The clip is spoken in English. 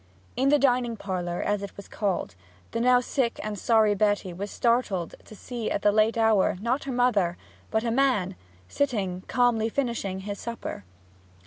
In the dining parlour, as it was called, the now sick and sorry Betty was startled to see at that late hour not her mother, but a man sitting, calmly finishing his supper.